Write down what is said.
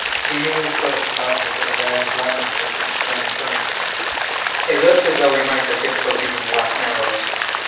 Seemingly close about us are the various land masses which adjoin the summit: it looks as though we might have difficulties in the last narrows.